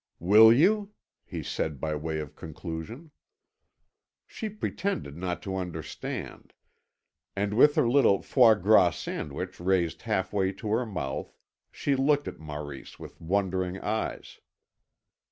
"Will you?" he said by way of conclusion. She pretended not to understand, and with her little foie gras sandwich raised half way to her mouth she looked at Maurice with wondering eyes.